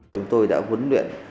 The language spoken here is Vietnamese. chúng tôi đã huấn luyện